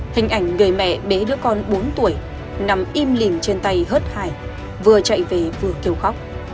hình ảnh người mẹ bé đứa con bốn tuổi nằm im lìm trên tay hớt hải vừa chạy về vừa kiểu khóc